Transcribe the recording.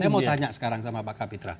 banyak sekarang sama pak kapitra